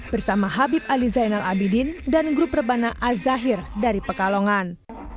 bersama habib ali zainal abidin dan grup rebana azahir dari pekalongan